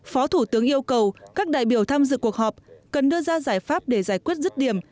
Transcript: phó thủ tướng yêu cầu các đại biểu tham dự cuộc họp cần đưa ra giải pháp để giải quyết rứt điểm